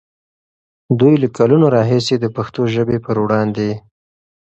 دوی له کلونو راهیسې د پښتو ژبې پر وړاندې